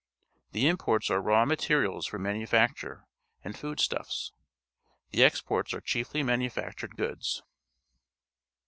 The imports are raw materials for manufacture and food stuffs. T"Eeexports are chiefly manufactured goods.